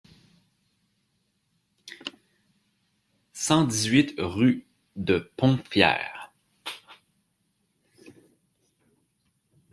cent dix-huit rue de Pont Pierre